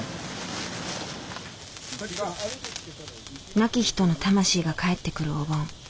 亡き人の魂が帰ってくるお盆。